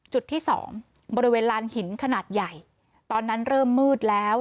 จุดที่สองบริเวณลานหินขนาดใหญ่ตอนนั้นเริ่มมืดแล้ว